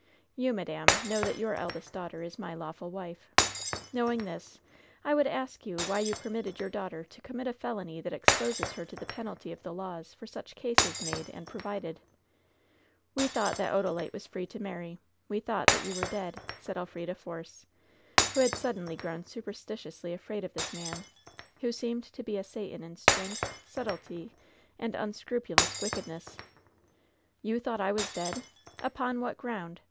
You, madam, know that your eldest dau^ter is my law ful wife. Knowing this, I would ask you why you per mitted your daughter to commit a felony that exposes her to the penalty of the laws for such cases made and provided ?" ^We thought that Odalite was free to marry. We thought that you were dead,'' said Elfrida Force, who had suddenly grown superstitiously afraid of this man, who seemed to be a Satan in strength, subtlety and un scrupulous wickedness. "You thought I was dead ! Upon what ground